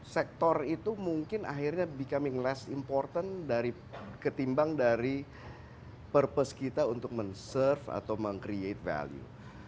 sektor itu mungkin akhirnya becoming less important ketimbang dari purpose kita untuk men serve atau meng create value